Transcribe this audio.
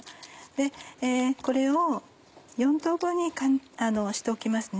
でこれを４等分にしておきますね。